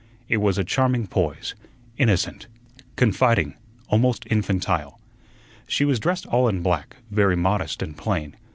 It was a charming poise, innocent, confiding, almost infantile. She was dressed all in black, very modest and plain.